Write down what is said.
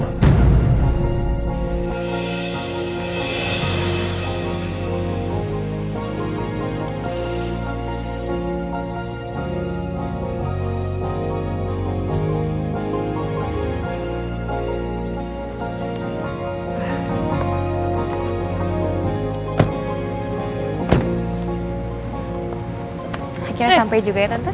akhirnya sampai juga ya tante